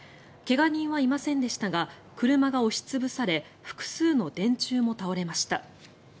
怪我人はいませんでしたが車が押し潰され複数の電柱も倒れました。